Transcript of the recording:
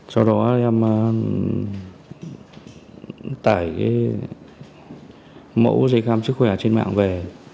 sau đó em tải mẫu dây khám sức khỏe trên mạng về